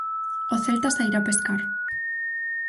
O Celta sairá a pescar.